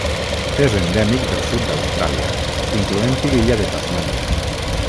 És endèmic del sud d'Austràlia, incloent-hi l'illa de Tasmània.